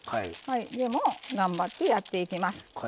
でも頑張ってやっていきます。